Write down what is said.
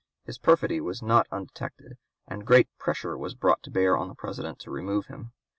His perfidy was not undetected, and great pressure was (p. 206) brought to bear on the President to remove him.